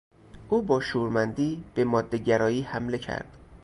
او با شورمندی به ماده گرایی حمله کرد.